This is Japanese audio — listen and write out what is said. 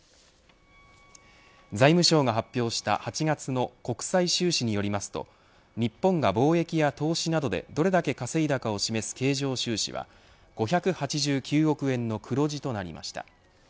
財務省が発表した８月の国際収支によりますと日本が貿易や投資などでどれだけ稼いだかを示す経常収支は５８９億円の黒字となりました。